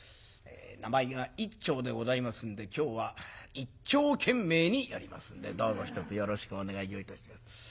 名前が「いっちょう」でございますんで今日はいっちょう懸命にやりますんでどうぞひとつよろしくお願いをいたします。